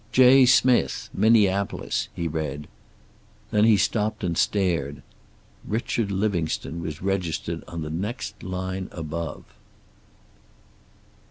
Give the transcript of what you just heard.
"J. Smith, Minneapolis," he read. Then he stopped and stared. Richard Livingstone was registered on the next line above.